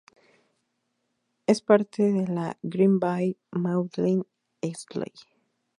Es parte de la Greenville-Mauldin-Easley.